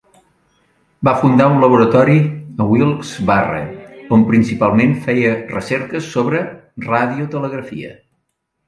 Va fundar un laboratori a Wilkes-Barre, on principalment feia recerques sobre radiotelegrafia.